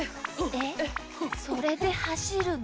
えっそれではしるの。